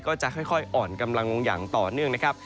ก็จะค่อยอ่อนกำลังลงอย่างต่อเนื่องนะครับ